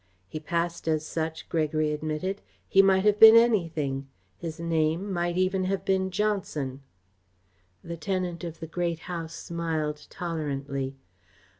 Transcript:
"He passed as such," Gregory admitted. "He might have been anything. His name even might have been Johnson." The tenant of the Great House smiled tolerantly.